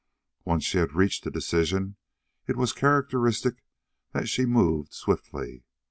Once she had reached a decision, it was characteristic that she moved swiftly.